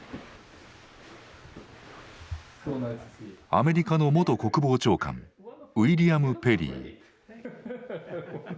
アメリカの元国防長官ウィリアム・ペリー。